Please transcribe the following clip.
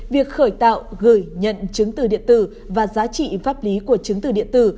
việc khởi tạo gửi nhận chứng từ điện tử và giá trị pháp lý của chứng từ điện tử